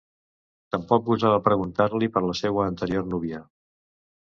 Tampoc gosava preguntar-li per la seua anterior núvia.